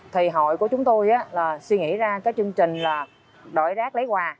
thì hội của chúng tôi là suy nghĩ ra cái chương trình là đổi rác lấy quà